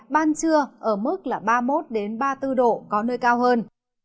ban trưa ở mức ba mươi một ba mươi bốn độ có nơi cao hơn